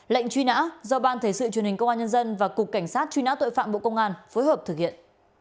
lệnh truy nã do ban thể sự truyền hình công an nhân dân và cục cảnh sát truy nã tội phạm bộ công an phối hợp thực hiện